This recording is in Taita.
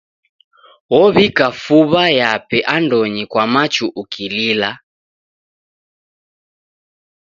Owika fuw'a yape andonyi kwa machu ukilila.